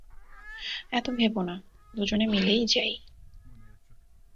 এত ভেব না, দুজনে মিলেই যাই।